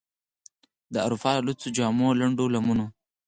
د اروپا له لوڅو جامو، لنډو لمنو،